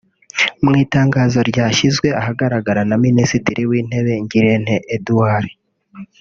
mu itangazo ryashyizwe ahagaragara na Minisitiri w’Intebe Ngirente Eduard